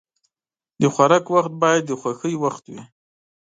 د خوراک وخت باید د خوښۍ وخت وي.